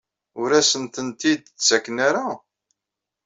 Ur asent-ten-id-ttaken ara?